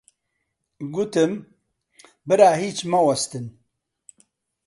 گوتم: برا هیچ مەوەستن!